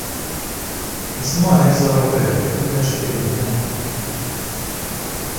Zimanek, zaravayek e ku leşkerên wî hene.